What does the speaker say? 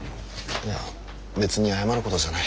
いや別に謝ることじゃない。